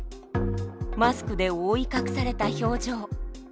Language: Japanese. マスクで覆い隠された表情。